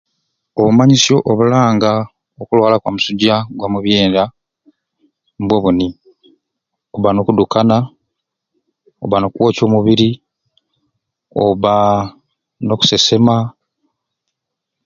Obumanyisyo obulanga okulwala kwamusujja gwa mubyenda mbwo buni, okubba nokudukana, oba nokwokya omubiri, obba nokusesema.